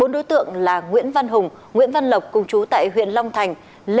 bốn đối tượng là nguyễn văn hùng nguyễn văn lộc cùng chú tại huyện long thành